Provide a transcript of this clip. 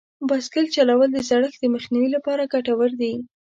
بایسکل چلول د زړښت د مخنیوي لپاره ګټور دي.